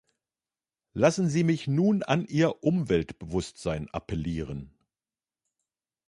Lassen Sie mich nun an Ihr Umweltbewusstsein appellieren.